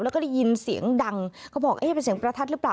แล้วก็ได้ยินเสียงดังเขาบอกเอ๊ะเป็นเสียงประทัดหรือเปล่า